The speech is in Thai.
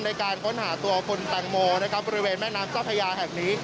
ในการค้นหาตัวคุณแตงโมนะครับบริเวณแม่น้ำเจ้าพญาแห่งนี้